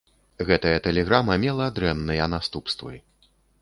Гэтая тэлеграма мела дрэнныя наступствы.